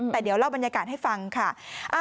แต่เดี๋ยวเล่าบรรยากาศให้ฟังค่ะ